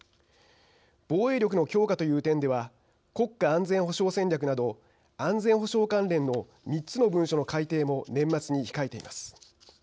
防衛力の強化という点では国家安全保障戦略など安全保障関連の３つの文書の改定も年末に控えています。